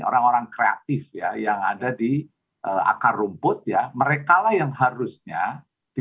orang orang kreatif ya yang ada di akar rumput ya mereka lah yang harusnya di